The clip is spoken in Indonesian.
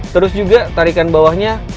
terus juga tarikan bawahnya